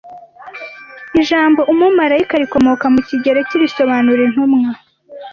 Ijambo Umumarayika rikomoka mu kigereki risobanura Intumwa